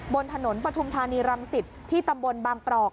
บนถนนประทุมธารีย์รำสิทธิ์ที่ตำบลบางปรอก